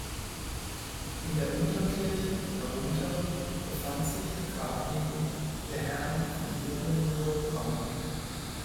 In der „Unterkirche“ darunter befand sich die Grablege der Herren von Hohenlohe-Brauneck.